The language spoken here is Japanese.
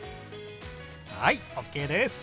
はいＯＫです！